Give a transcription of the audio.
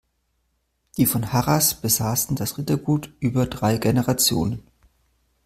Die von Harras besaßen das Rittergut über drei Generationen.